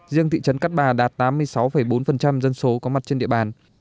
riêng thị trấn cát bà đạt tám mươi sáu bốn dân số có mặt trên địa bàn